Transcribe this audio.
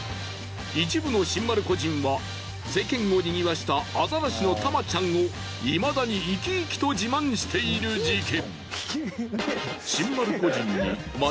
一部の新丸子人は世間をにぎわしたアザラシのタマちゃんを未だに生き生きと自慢している事件。